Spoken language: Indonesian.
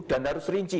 dan harus rinci